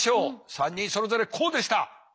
３人それぞれこうでした！